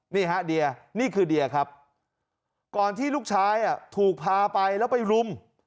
นี่ฮะเดียนี่คือเดียครับก่อนที่ลูกชายถูกพาไปแล้วไปรุม